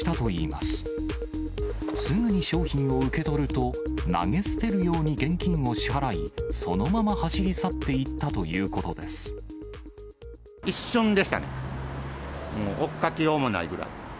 すぐに商品を受け取ると、投げ捨てるように現金を支払い、そのまま走り去っていったという一瞬でしたね、もう追っかけようもないぐらい。